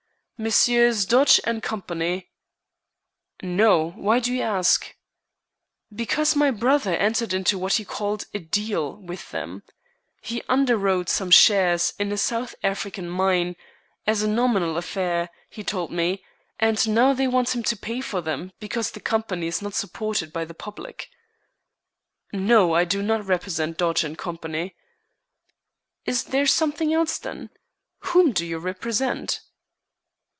"Messrs. Dodge & Co." "No; why do you ask?" "Because my brother entered into what he called a 'deal' with them. He underwrote some shares in a South African mine, as a nominal affair, he told me, and now they want him to pay for them because the company is not supported by the public." "No, I do not represent Dodge & Co." "Is there something else then? Whom do you represent?"